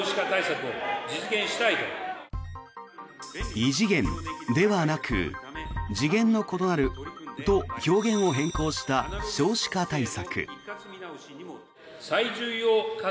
異次元ではなく次元の異なると表現を変更した少子化対策。